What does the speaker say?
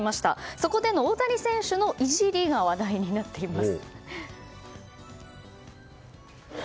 そこでの大谷選手のいじりが話題になっているんです。